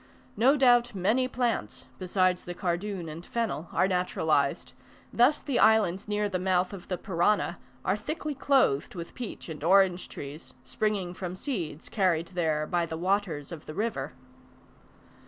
No doubt many plants, besides the cardoon and fennel, are naturalized; thus the islands near the mouth of the Parana, are thickly clothed with peach and orange trees, springing from seeds carried there by the waters of the river.